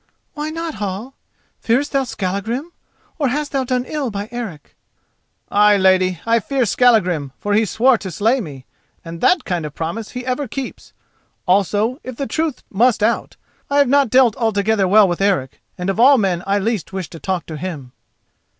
"Why not, Hall? Fearest thou Skallagrim? or hast thou done ill by Eric?" "Ay, lady, I fear Skallagrim, for he swore to slay me, and that kind of promise he ever keeps. Also, if the truth must out, I have not dealt altogether well with Eric, and of all men I least wish to talk with him."